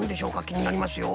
きになりますよ。